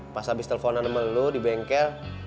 pas abis teleponan sama lo di bengkel